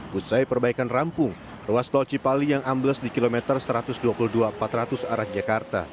pusai perbaikan rampung ruas tol cipali yang ambles di kilometer satu ratus dua puluh dua empat ratus arah jakarta